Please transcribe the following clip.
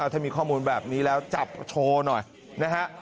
ถ้ามีข้อมูลแบบนี้แล้วจับโชว์หน่อยนะฮะ